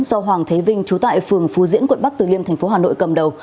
do hoàng thế vinh trú tại phường phú diễn quận bắc từ liêm tp hcm cầm đầu